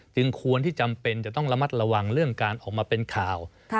ควรที่จำเป็นจะต้องระมัดระวังเรื่องการออกมาเป็นข่าว